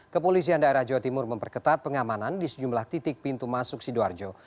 kepolisian daerah jawa timur memperketat pengamanan di sejumlah titik pintu masuk sidoarjo